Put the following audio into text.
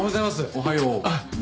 おはよう。